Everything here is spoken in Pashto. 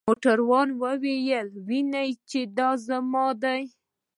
موټروان وویل: وینې يې؟ چې دا زما ده.